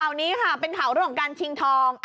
เป็นข่าวเรื่องของการชิงทอง